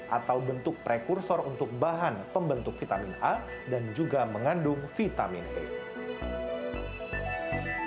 atau bentuk prekursor untuk bahan pembentuk vitamin a dan juga mengandung vitamin b